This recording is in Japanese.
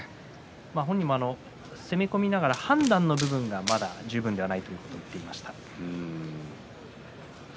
本人も攻め込みながら判断の部分がまだ十分ではないと言っていました。